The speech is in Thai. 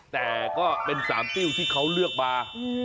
แต่ก็เป็น๓ติ้วที่เขาเลือกมา